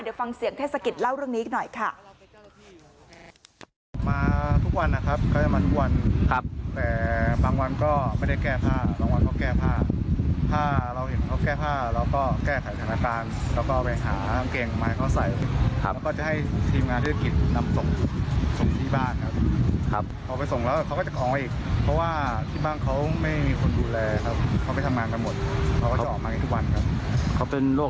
เดี๋ยวฟังเสียงเทศกิจเล่าเรื่องนี้อีกหน่อยค่ะ